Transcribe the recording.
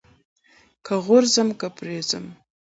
که غورځم که پرځم.